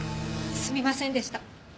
すみませんでした。